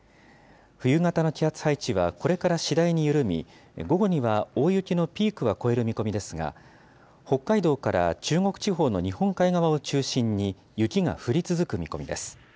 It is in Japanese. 冬型の気圧配置はこれから次第に緩み、午後には大雪のピークは越える見込みですが、北海道から中国地方の日本海側を中心に雪が降り続く見込みです。